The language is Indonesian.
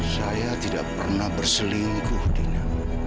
saya tidak pernah berselingkuh dengan